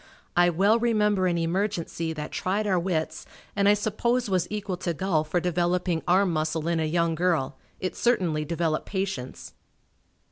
I well remember an emergency that tried our wits and I suppose was equal to golf for developing arm muscle in a young girl it certainly developed patience.